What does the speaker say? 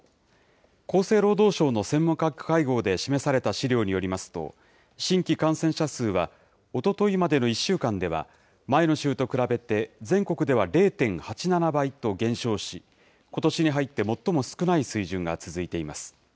厚生労働省の専門家会合で示された資料によりますと、新規感染者数は、おとといまでの１週間では、前の週と比べて全国では０．８７倍と減少し、ことしに入って最も少ない水準が続いています。